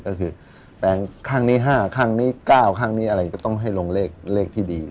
ก็คือแปลงข้างนี้๕ข้างนี้๙ข้างนี้อะไรก็ต้องให้ลงเลขที่ดี